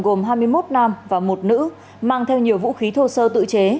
gồm hai mươi một nam và một nữ mang theo nhiều vũ khí thô sơ tự chế